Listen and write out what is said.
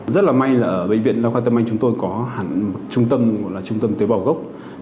rất là may là ở bệnh viện đa khoa tâm anh chúng tôi có hẳn trung tâm gọi là trung tâm tế bào gốc